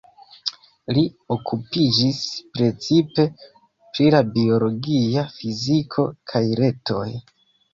Li okupiĝis precipe pri la biologia fiziko kaj retoj.